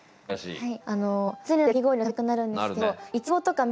はい。